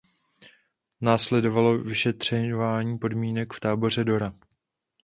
Následovalo vyšetřování podmínek v táboře Dora.